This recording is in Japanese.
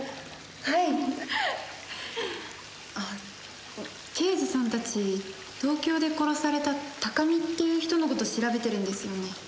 あっ刑事さんたち東京で殺された高見っていう人の事調べてるんですよね？